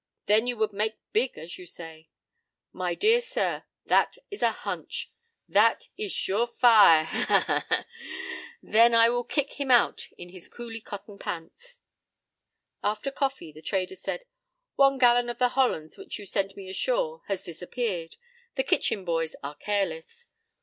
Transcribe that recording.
Then you would "make big," as you say. My dear sir, that is a "hunch!" That is "sure fire!" Ha ha ha!'—Then I will kick him out in his coolie cotton pants." After coffee the trader said: "One gallon of the Hollands which you sent me ashore has disappeared. The kitchen boys are 'careless.'